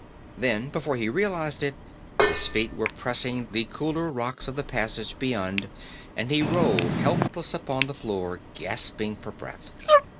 Then, before he realized it, his feet were pressing the cooler rocks of the passage beyond and he rolled helpless upon the floor, gasping for breath.